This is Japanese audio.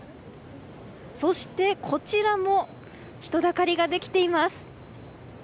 そして、こちらも人だかりができています。